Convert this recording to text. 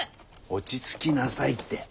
落ち着きなさいって。